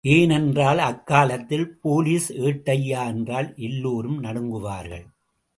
ஏனென்றால், அக்காலத்தில் போலீஸ் ஏட்டய்யா என்றால் எல்லோரும் நடுங்குவார்கள்.